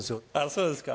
そうですか。